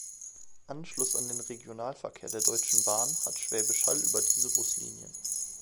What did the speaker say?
Anschluss an den Regionalverkehr der Deutschen Bahn hat Schwäbisch Hall über diese Buslinien.